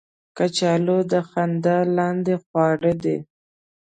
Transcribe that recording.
کچالو د خندا لاندې خواړه دي